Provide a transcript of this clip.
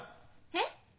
えっ？